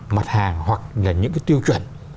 mặt hàng hoặc là những cái tiêu chuẩn